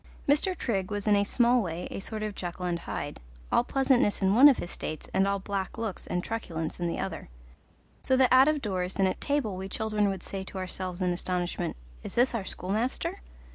Mr. Trigg was in a small way a sort of Jekyll and Hyde, all pleasantness in one of his states and all black looks and truculence in the other; so that out of doors and at table we children would say to ourselves in astonishment, "Is this our schoolmaster?"